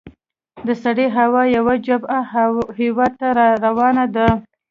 د سړې هوا یوه جبهه هیواد ته را روانه ده.